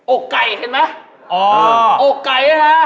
ออกไก่เนี่ยนะ